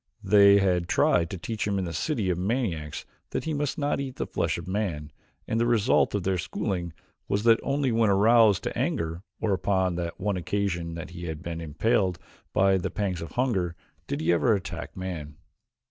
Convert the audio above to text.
They had tried to teach him in the city of maniacs that he must not eat the flesh of man, and the result of their schooling was that only when aroused to anger or upon that one occasion that he had been impelled by the pangs of hunger, did he ever attack man.